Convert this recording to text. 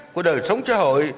của đời sống trò hội